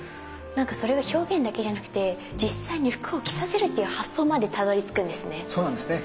それが表現だけじゃなくて実際に服を着させるっていう発想までたどりつくんですね。